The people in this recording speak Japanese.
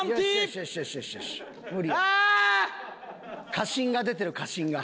過信が出てる過信が。